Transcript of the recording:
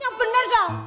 ya bener dong